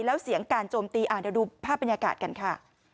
แล้วเสียงการโจมตีเดี๋ยวดูภาพบรรยากาศกันค่ะ